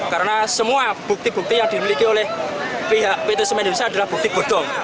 karena semua bukti bukti yang dimiliki oleh pihak pt semen gresik adalah bukti bodong